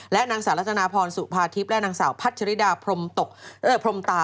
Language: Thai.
และนางสาวรัตนาพรสุภาทิพย์และนางสาวพัชริดาพรมตา